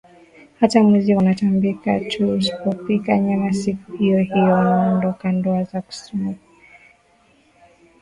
hata mwezi wanatambika tuUsipopika nyama siku hiyohiyo wanaondokaNdoa za kisukuma zinaruhusu ndoa